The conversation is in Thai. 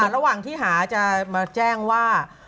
ระหว่างที่หาจะมาแจ้งว่า